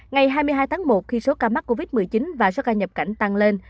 ngày hai mươi hai tháng một khi số ca mắc covid một mươi chín và số ca nhập cảnh tăng lên